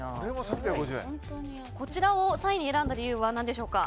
こちらを３位に選んだ理由は何でしょうか？